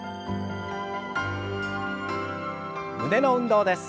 胸の運動です。